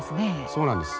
そうなんです。